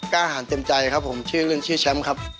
กล้าหารเต็มใจครับผมชื่อเล่นชื่อแชมป์ครับ